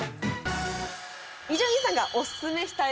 伊集院さんがオススメしたい